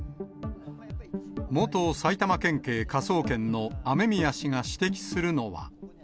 元埼玉県警科捜研の雨宮氏が指摘するのは。